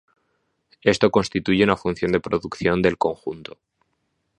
Esto constituye una función de producción del conjunto.